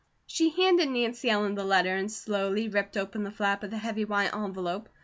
She handed Nancy Ellen the letter and slowly ripped open the flap of the heavy white envelope.